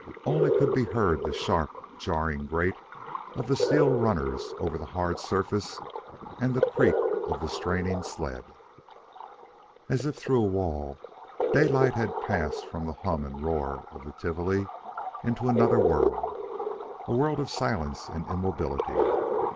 Only could be heard the sharp, jarring grate of the steel runners over the hard surface and the creak of the straining sled. As if through a wall, Daylight had passed from the hum and roar of the Tivoli into another world a world of silence and immobility.